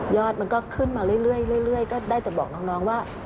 มันก็ขึ้นมาเรื่อยก็ได้แต่บอกน้องว่า